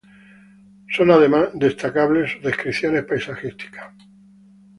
Son además destacables sus descripciones paisajísticas.